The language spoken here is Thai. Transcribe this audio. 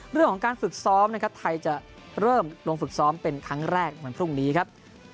เรื่องของการฝึกซ้อมนะครับไทยจะเริ่มลงฝึกซ้อมเป็นครั้งแรกวันพรุ่งนี้ครับ